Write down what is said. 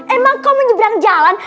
emang kau menyeberang jalan